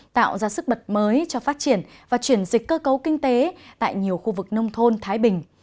tạo ra sức bật mới cho phát triển và chuyển dịch cơ cấu kinh tế tại nhiều khu vực nông thôn thái bình